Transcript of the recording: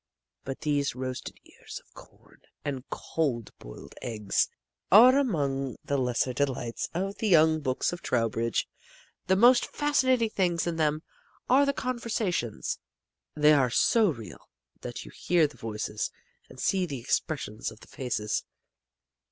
But these roasted ears of corn and cold boiled eggs are among the lesser delights of the young books of Trowbridge. The most fascinating things in them are the conversations. They are so real that you hear the voices and see the expressions of the faces.